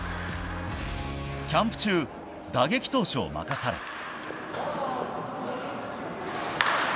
キャンプ中打撃投手を任され。